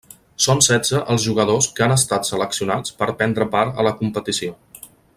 Són setze els jugadors que han estat seleccionats per prendre part a la competició.